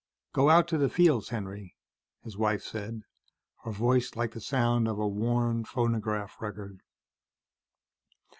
"Go out to the fields, Henry," his wife said, her voice like the sound of a worn phonograph record.